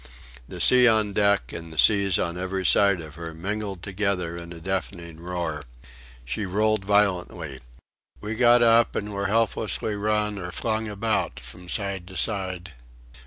The sea on deck, and the seas on every side of her, mingled together in a deafening roar. She rolled violently. We got up and were helplessly run or flung about from side to side.